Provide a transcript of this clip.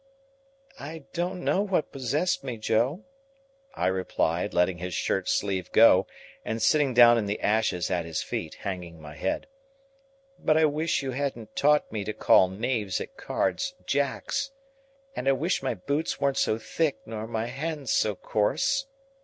"I don't know what possessed me, Joe," I replied, letting his shirt sleeve go, and sitting down in the ashes at his feet, hanging my head; "but I wish you hadn't taught me to call Knaves at cards Jacks; and I wish my boots weren't so thick nor my hands so coarse."